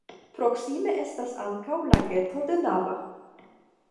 Proksime estas ankaŭ lageto de Nava.